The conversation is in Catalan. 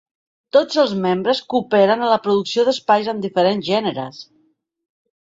Tots els membres cooperen en la producció d'espais en diferents gèneres.